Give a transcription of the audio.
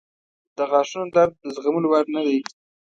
• د غاښونو درد د زغملو وړ نه دی.